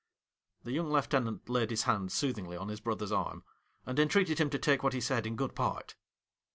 The young lieutenant laid his hand sooth ingly on his brother's arm, and entreated him to take what he said in good part.